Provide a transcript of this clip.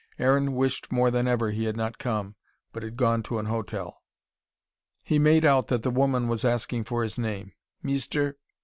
Aaron wished more than ever he had not come, but had gone to an hotel. He made out that the woman was asking him for his name "Meester